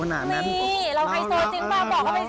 นี่เราไฮโซจริงเปล่าบอกเขาไปสิ